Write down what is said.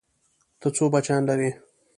ته څو بچيان لرې؟